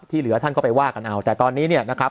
เหลือท่านก็ไปว่ากันเอาแต่ตอนนี้เนี่ยนะครับ